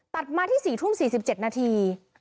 มาที่๔ทุ่ม๔๗นาที